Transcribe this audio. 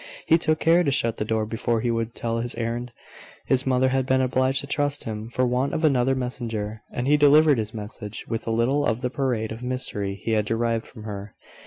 He took care to shut the door before he would tell his errand. His mother had been obliged to trust him for want of another messenger; and he delivered his message with a little of the parade of mystery he had derived from her.